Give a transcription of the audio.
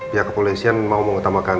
pihak kepolisian mau mengetamakan